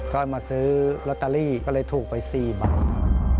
ก็มาซื้อลอตเตอรี่ก็เลยถูกไป๔ใบ